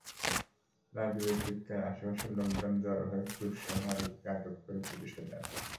রাজিবের চিৎকারে আশপাশের লোকজন জড়ো হয়ে ক্ষুরসহ আরিফকে আটক করে পুলিশে দেন।